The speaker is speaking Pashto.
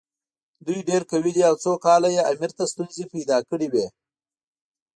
دوی ډېر قوي دي او څو کاله یې امیر ته ستونزې پیدا کړې وې.